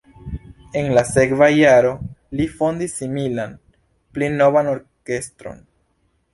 En la sekva jaro li fondis similan, pli novan orkestron.